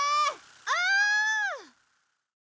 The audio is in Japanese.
お！